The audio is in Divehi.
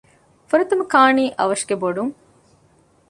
ފުރަތަމަ ކާނީ އަވަށުގެ ބޮޑުން